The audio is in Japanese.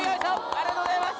ありがとうございます！